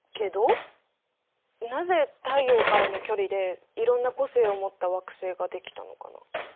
なぜ太陽からの距離でいろんな個性を持った惑星ができたのかな？